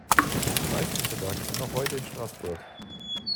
Die meisten dieser Werke sind noch heute in Straßburg.